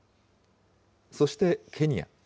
そしてケニア。